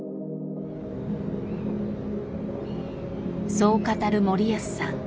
そう語る森保さん。